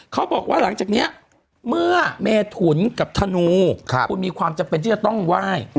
เขาบอกว่าหลังจากนี้เมื่อเมถุนกับธนูคุณมีความจำเป็นที่จะต้องไหว้